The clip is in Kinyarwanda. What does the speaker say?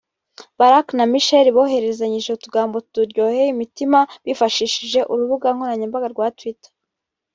Barrack na Michelle bohererezanyije utugambo turyoheye imitima bifashishije urubuga nkoranyambaga rwa twitter